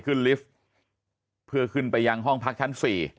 ลิฟท์เพื่อขึ้นไปยังห้องพักชั้น๔